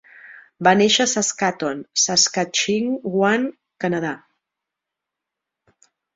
Va néixer a Saskatoon, Saskatchewan, Canadà.